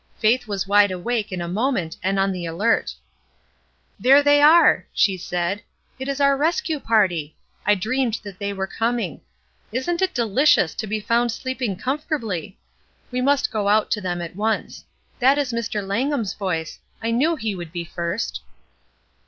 Faith was wide awake in a moment and on the alert. There they are!" she said. "It is our rescue party ! I dreamed that they were coming. Isn't it delicious to be found sleeping comfort ably ! We must go out to them at once. That is Mr. Langham's voice; I knew he would be first."